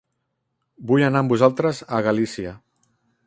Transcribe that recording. Vull anar amb vosaltres a Galícia.